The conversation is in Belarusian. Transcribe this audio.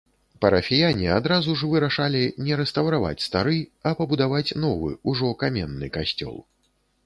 Парафіяне адразу ж вырашалі не рэстаўраваць стары, а пабудаваць новы, ужо каменны касцёл.